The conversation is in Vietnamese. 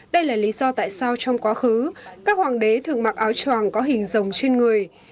đây là lý do tại sao trong quá khứ các hoàng đế thường mặc áo tròng có hình rồng trên người